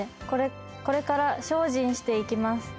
「これから精進していきます」